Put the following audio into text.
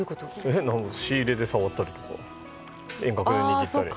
仕入れで触ったりとか、遠隔で。